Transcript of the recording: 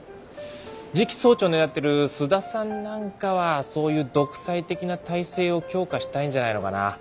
次期総長を狙ってる須田さんなんかはそういう独裁的な体制を強化したいんじゃないのかな。